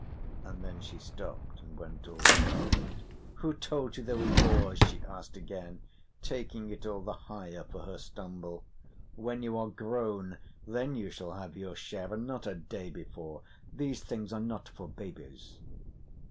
And then she stopped and went all scarlet. "Who told you they were yours?" she asked again, taking it all the higher for her stumble. "When you are grown, then you shall have your share and not a day before. These things are not for babies."